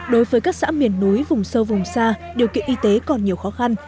đối với các xã miền núi vùng sâu vùng xa điều kiện y tế còn nhiều khó khăn